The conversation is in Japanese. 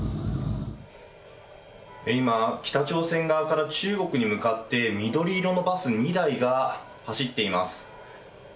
今、北朝鮮側から中国に向かって緑色のバス２台が走っています。